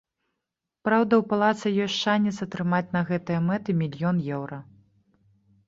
Праўда, у палаца ёсць шанец атрымаць на гэтыя мэты мільён еўра.